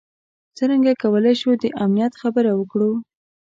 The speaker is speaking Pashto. څرنګه کولای شو د امنیت خبره وکړو.